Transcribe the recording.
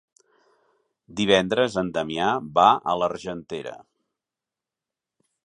Divendres na Damià va a l'Argentera.